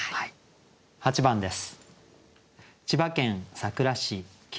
８番です。